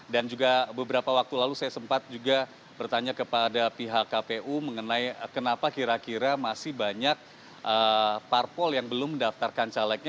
dan juga beberapa waktu lalu saya sempat juga bertanya kepada pihak kpu mengenai kenapa kira kira masih banyak parpol yang belum mendaftarkan calegnya